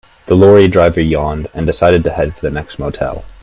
The lorry driver yawned and decided to head for the next motel.